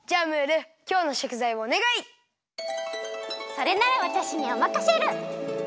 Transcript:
それならわたしにおまかシェル！